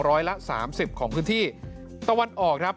ร้อยละ๓๐ของพื้นที่ตะวันออก